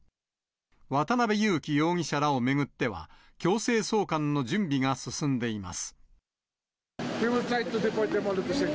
渡辺優樹容疑者らを巡っては、強制送還の準備が進んでいます。